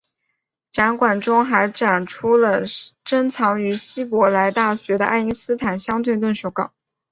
展馆中还展出了珍藏于希伯来大学的爱因斯坦相对论手稿。